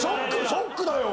ショックだよ！